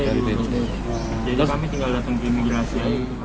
jadi kami tinggal datang ke imigrasi